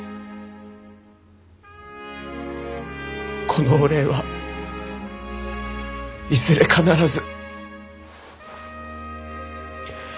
このお礼はいずれ必ず。